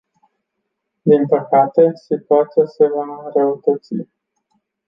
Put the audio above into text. Din păcate, situația se va înrăutăți.